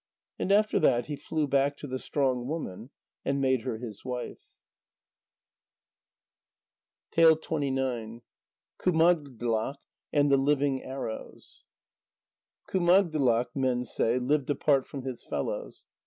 And after that he flew back to the strong woman and made her his wife. KUMAGDLAK AND THE LIVING ARROWS Kumagdlak, men say, lived apart from his fellows.